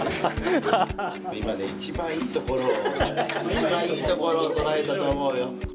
今ね一番いいところを一番いいところを捉えたと思うよ